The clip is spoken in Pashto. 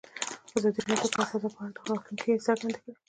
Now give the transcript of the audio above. ازادي راډیو د د کار بازار په اړه د راتلونکي هیلې څرګندې کړې.